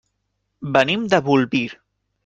Venim de Bolvir.